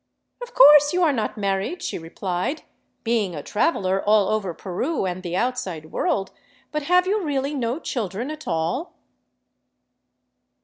" Of course you are not married," she replied, " being a traveler all over Peru and the outside world, but have you really no children at all?"